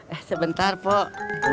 eh sebentar pok